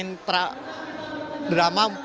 dan juga seluruh pemain drama